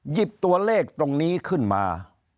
หยิบตัวเลขตรงนี้ขึ้นมา